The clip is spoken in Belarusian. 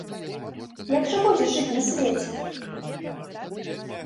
Як жа будзеш жыць на свеце?